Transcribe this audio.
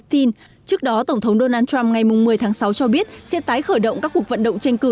trước đó tổng thống donald trump ngày một mươi tháng sáu cho biết sẽ tái khởi động các cuộc vận động tranh cử